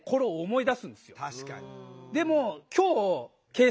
確かに。